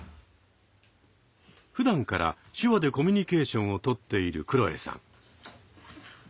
ふだんから手話でコミュニケーションを取っているくろえさん。